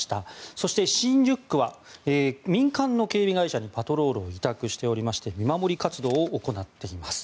そして、新宿区は民間の警備会社にパトロールを委託していまして見守り活動を行っています。